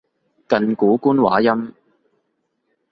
近古官話音